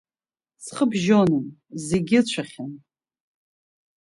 Ҵхыбжьонын, зегьы ыцәахьан.